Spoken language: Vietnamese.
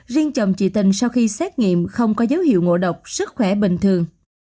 riêng chồng chị tình sau khi xét nghiệm không có dấu hiệu ngộ độc sức khỏe bình thường